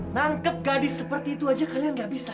nangkep gadis seperti itu aja kalian gak bisa